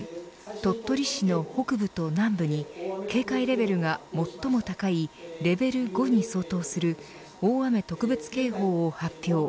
鳥取市の北部と南部に警戒レベルが最も高いレベル５に相当する大雨特別警報を発表。